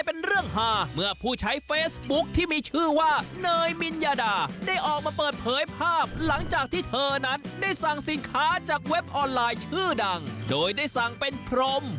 เป็นเรื่องฮาเมื่อผู้ใช้เฟซบุ๊คที่มีชื่อว่าเนยมินยาดาได้ออกมาเปิดเผยภาพหลังจากที่เธอนั้นได้สั่งสินค้าจากเว็บออนไลน์ชื่อดังโดยได้สั่งเป็นพรม